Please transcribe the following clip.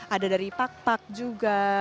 ada dari pak pak juga